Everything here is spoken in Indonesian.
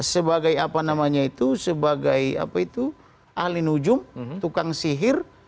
sebagai apa namanya itu sebagai ahli nujum tukang sihir